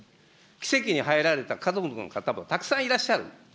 鬼籍に入られた家族の方もたくさんいらっしゃる。